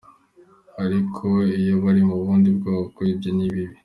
"Ariko iyo bari mu bundi bwoko, ibyo ni bibi.